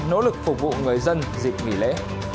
nỗ lực phục vụ người dân dịp nghỉ lễ